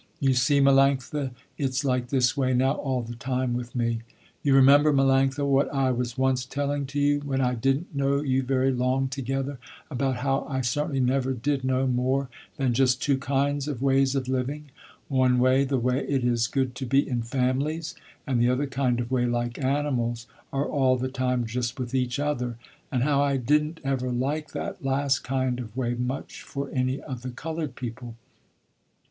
You see, Melanctha, its like this way now all the time with me. You remember, Melanctha, what I was once telling to you, when I didn't know you very long together, about how I certainly never did know more than just two kinds of ways of living, one way the way it is good to be in families and the other kind of way, like animals are all the time just with each other, and how I didn't ever like that last kind of way much for any of the colored people.